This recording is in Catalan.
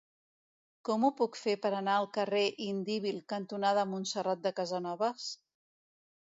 Com ho puc fer per anar al carrer Indíbil cantonada Montserrat de Casanovas?